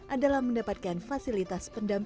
adalah mendapatkan fasilitas yang sangat mudah